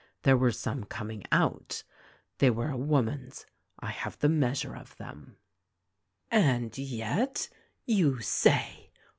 There were some coming out — they were a woman's. I have the measure of them." "And yet, you say